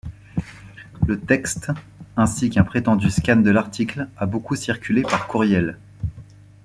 Le texte, ainsi qu'un prétendu scan de l'article, a beaucoup circulé par courriel.